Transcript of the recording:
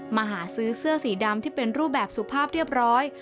มาหาซื้อเสื้อสีดำที่เป็นรูปแบบสุภาพเรียบร้อย